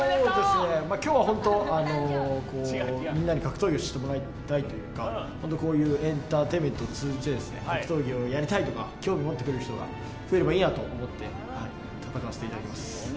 今日はホント、みんなに格闘技を知ってもらいたいというかこういうエンターテインメントを通じて格闘技をやりたいとか、興味を持ってくれる人が増えればと思って、戦わせていただきます。